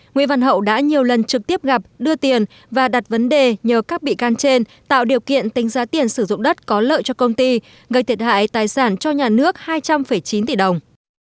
nguyễn văn hậu đã nhiều lần trực tiếp gặp đưa tiền và đặt vấn đề nhờ các bị can trên tạo điều kiện tính giá tiền sử dụng đất có lợi cho công ty gây thiệt hại tài sản cho nhà nước hai trăm linh chín tỷ đồng